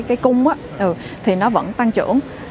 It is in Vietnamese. đáp ứng cái cung thì nó vẫn tăng trưởng